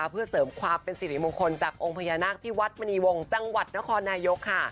ด้วยความเป็นศิริมงคลจากองค์พญานาคที่วัดมณีวงจังหวัดนครนายกค่ะ